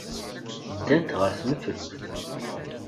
Ddant ɣer tnefrut.